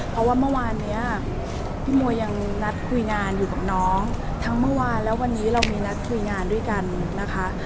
เพราะว่าเมื่อวานนี้พี่มัวยังนัดคุยงานอยู่กับน้องทั้งเมื่อวานและวันนี้เรามีนัดคุยงานด้วยกันนะคะ